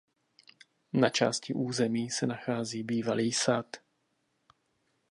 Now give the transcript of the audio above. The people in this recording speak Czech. Na části území se nachází bývalý sad.